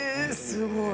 すごい！